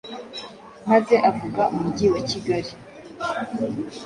maze avuga umujyi wa Kigali